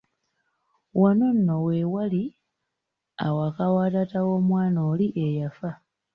Wano nno w'ewaali awaka wa taata w'omwana oli eyafa.